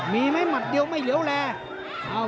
มีไหมมัตต์เดียวไม่เหลียวแหล